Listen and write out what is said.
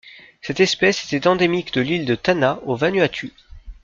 Cette espèce était endémique de l'île de Tanna, au Vanuatu.